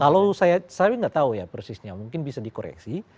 kalau saya nggak tahu ya persisnya mungkin bisa dikoreksi